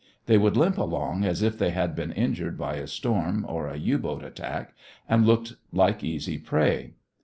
They would limp along as if they had been injured by a storm or a U boat attack, and looked like easy prey.